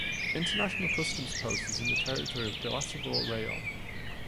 International customs post is in the territory of Bilasuvar Rayon.